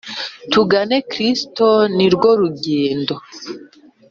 tugane kristu ni rwo rugendo